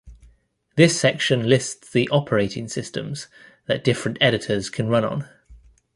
This section lists the operating systems that different editors can run on.